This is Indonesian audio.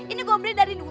ini gue beli dari